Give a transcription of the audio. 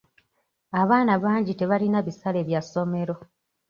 Abaana bangi tebalina bisale bya ssomero.